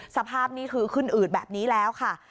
สภาพนี่คือขึ้นอืดแบบนี้แล้วค่ะ